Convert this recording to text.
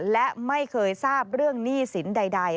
และไม่เคยทราบเรื่องหนี้สินใด